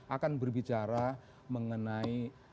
akan berbicara mengenai